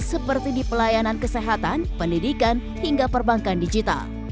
seperti di pelayanan kesehatan pendidikan hingga perbankan digital